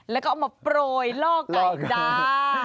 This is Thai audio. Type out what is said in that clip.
แล้วก็เอามาโปรยล่อไก่จ้า